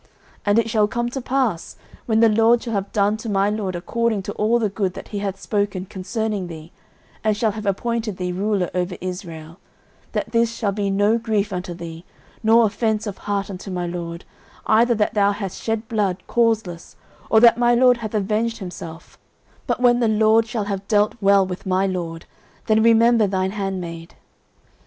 09:025:030 And it shall come to pass, when the LORD shall have done to my lord according to all the good that he hath spoken concerning thee, and shall have appointed thee ruler over Israel; 09:025:031 That this shall be no grief unto thee, nor offence of heart unto my lord, either that thou hast shed blood causeless, or that my lord hath avenged himself: but when the LORD shall have dealt well with my lord, then remember thine handmaid.